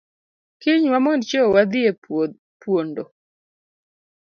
Kiny wamond chieo wadhii e puondo